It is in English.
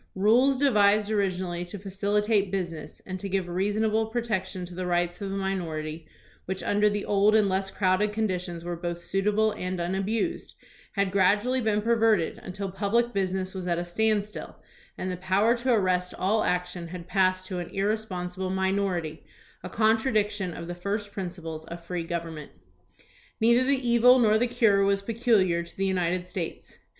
Rules devised originally to facilitate business and to give reasonable protection to the rights of the minority, which mider the old and less crowded conditions were both suitable and unabused, had gradually been perverted until public business was at a standstill, and the power to arrest all action had passed to an irresponsible minority, a contradiction of the first principles of free government. Neither the evil nor the cure was peculiar to the United States.